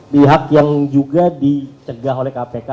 pihak yang juga dicegah oleh kpk